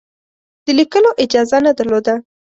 د لیکلو اجازه نه درلوده.